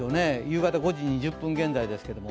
夕方５時２０分現在ですけど。